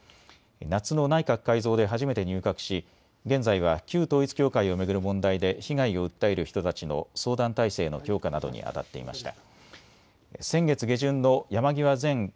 夏の内閣改造で初めて入閣し現在は旧統一教会を巡る問題で被害を訴える人たちの相談体制の強化などにあたっていました。